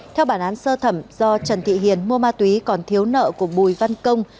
theo bản án sơ thẩm do trần thị hiền mua ma túy còn thiếu nợ của bùi văn công